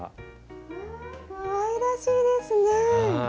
うわぁかわいらしいですね！